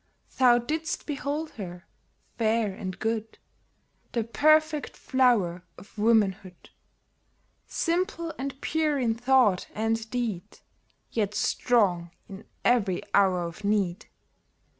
Thou didst behold her, fair and good, The perfect flower of womanhood ; Simple and pure in thought and deed, Yet strong in every hour of need.